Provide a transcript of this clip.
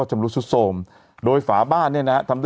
ชอบคุณครับ